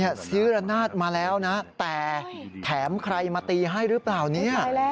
ซื้อระนาดมาแล้วนะแต่แถมใครมาตีให้หรือเปล่าเนี่ย